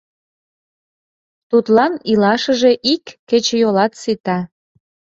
Тудлан илашыже ик кечыйолат сита...»